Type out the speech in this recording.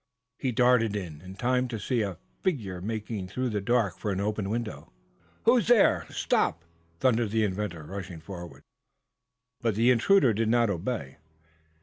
He darted in, in time to see a figure making through the dark for an open window. "Who's there Here! Stop!" thundered the inventor, rushing forward. But the intruder did not obey.